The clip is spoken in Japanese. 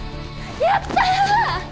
やった！